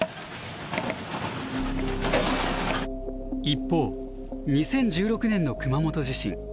一方２０１６年の熊本地震。